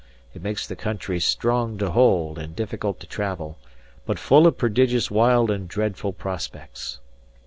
It makes the country strong to hold and difficult to travel, but full of prodigious wild and dreadful prospects.